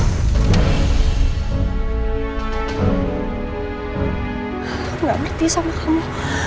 aku gak berhenti sama kamu